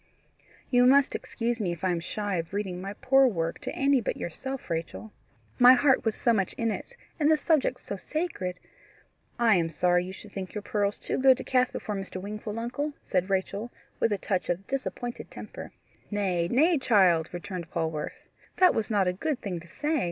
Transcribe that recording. "You must excuse me if I am shy of reading my poor work to any but yourself, Rachel. My heart was wo much in it, and the subject is so sacred " "I am sorry you should think your pearls too good to cast before Mr. Wingfold, uncle," said Rachel, with a touch of disappointed temper. "Nay, nay, child," returned Polwarth, "that was not a good thing to say.